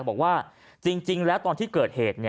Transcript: บอกว่าจริงแล้วตอนที่เกิดเหตุ